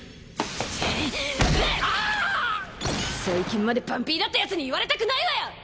最近までパンピーだったヤツに言われたくないわよ！